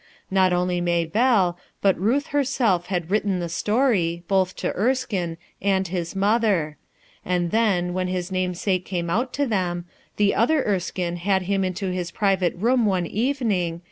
Not only Maybclle, but Ruth herself had written the story, both to Erskine, and his mother; and then, when his namesake came out to them, the other Erskinc had him into his private room one evening.